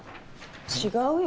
違うよ。